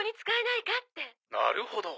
「なるほど」